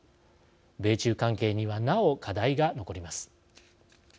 米中関係にはなお課題が残ります。